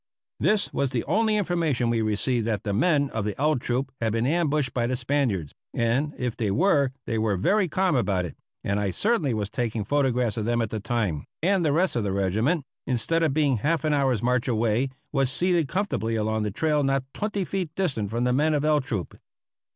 This was the only information we received that the men of L Troop had been ambushed by the Spaniards, and, if they were, they were very calm about it, and I certainly was taking photographs of them at the time, and the rest of the regiment, instead of being half an hour's march away, was seated comfortably along the trail not twenty feet distant from the men of L Troop.